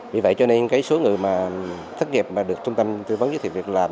vì vậy cho nên cái số người mà thất nghiệp mà được trung tâm tư vấn giới thiệu việc làm